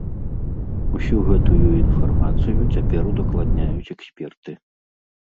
Усю гэтую інфармацыю цяпер удакладняюць эксперты.